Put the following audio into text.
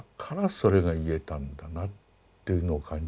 それが言えたんだなというのを感じてですね